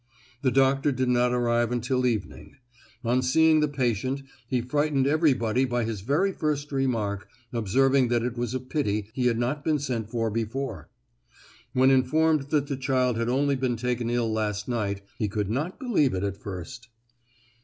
The doctor did not arrive until evening. On seeing the patient he frightened everybody by his very first remark, observing that it was a pity he had not been sent for before. When informed that the child had only been taken ill last night, he could not believe it at first.